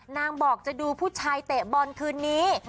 นางบอกจะดูผู้ชายเตะบอลคืนนี้